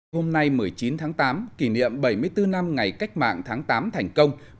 hôm nay một mươi chín tháng tám kỷ niệm bảy mươi bốn năm ngày cách mạng tháng tám thành công